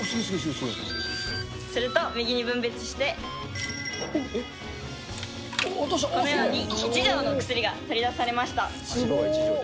すると右に分別して、このように１錠の薬が取り出されました。